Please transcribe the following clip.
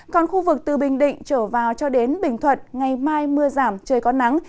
còn khu vực từ bình định trở vào cho đến bình thuận ngày mai mưa giảm trời có nắng